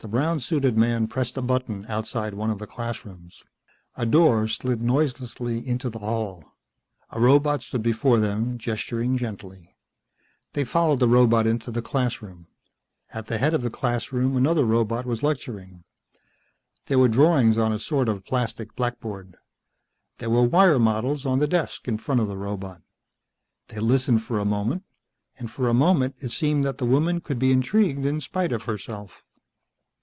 The brown suited man pressed a button outside one of the classrooms. A door slid noiselessly into the hall. A robot stood before them, gesturing gently. They followed the robot into the classroom. At the head of the classroom another robot was lecturing. There were drawings on a sort of plastic blackboard. There were wire models on the desk in front of the robot. They listened for a moment, and for a moment it seemed that the woman could be intrigued in spite of herself.